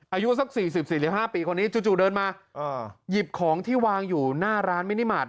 อายุสัก๔๐๔๕ปีคนนี้จู่เดินมาหยิบของที่วางอยู่หน้าร้านมินิมาตร